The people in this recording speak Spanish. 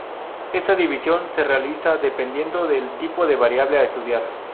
Esta división se realiza dependiendo del tipo de variable a estudiar.